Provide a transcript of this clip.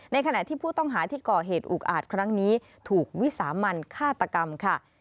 ขณะที่ผู้ต้องหาที่ก่อเหตุอุกอาจครั้งนี้ถูกวิสามันฆาตกรรมค่ะ